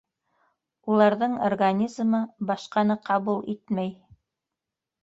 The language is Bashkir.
Уларҙың организмы башҡаны ҡабул итмәй.